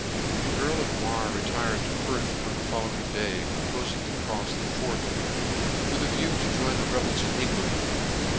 The earl of Mar retired to Perth on die fol lowing day, propofing to crofs the Forth, with a view to join the rebels in England ; but a ileet VOL.